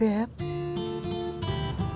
aku juga begitu beb